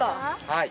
はい。